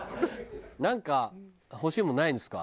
なんか欲しいものないんですか？